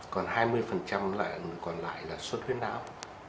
còn hai mươi còn lại là suất huyết não